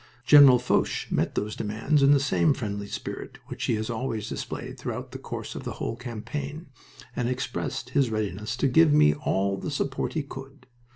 General Foch met those demands in the same friendly spirit which he has always displayed throughout the course of the whole campaign, and expressed his readiness to give me all the support he could.